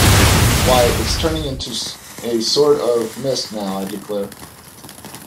Why, it’s turning into a sort of mist now, I declare!